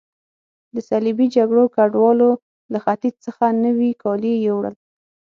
د صلیبي جګړو ګډوالو له ختیځ څخه نوي کالي یوړل.